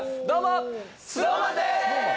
どうも！